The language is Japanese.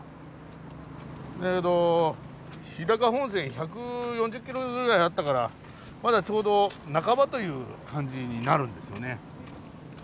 だけど日高本線１４０キロぐらいあったからまだちょうど半ばという感じになるんですよね。